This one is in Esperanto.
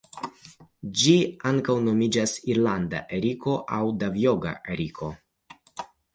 Ĝi ankaŭ nomiĝas irlanda eriko aŭ Davjoga eriko.